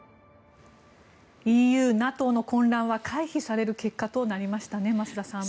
ＥＵ、ＮＡＴＯの混乱は回避される結果となりましたね増田さん。